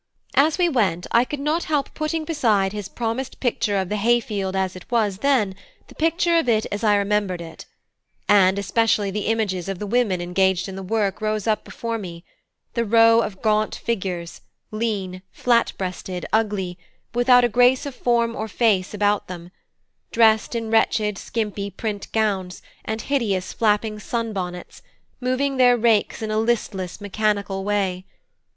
As we went, I could not help putting beside his promised picture of the hay field as it was then the picture of it as I remembered it, and especially the images of the women engaged in the work rose up before me: the row of gaunt figures, lean, flat breasted, ugly, without a grace of form or face about them; dressed in wretched skimpy print gowns, and hideous flapping sun bonnets, moving their rakes in a listless mechanical way.